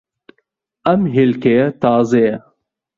ئەم ھێلکەیە تازەیە.